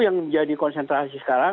yang menjadi konsentrasi sekarang